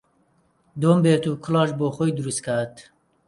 دۆم بێت و کڵاش بۆ خۆی دروست کات